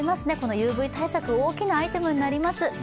ＵＶ対策、大きなアイテムになります